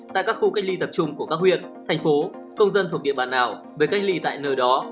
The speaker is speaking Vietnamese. tại các khu cách ly tập trung của các huyện thành phố công dân thuộc địa bàn nào về cách ly tại nơi đó